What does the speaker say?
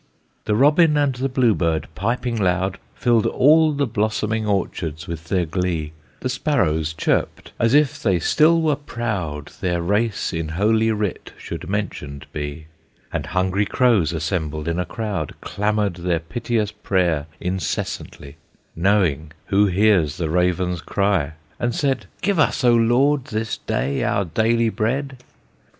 The robin and the blue bird, piping loud, Filled all the blossoming orchards with their glee; The sparrows chirped as if they still were proud Their race in Holy Writ should mentioned be; And hungry crows assembled in a crowd, Clamored their piteous prayer incessantly, Knowing who hears the ravens cry, and said: "Give us, O Lord, this day our daily bread!"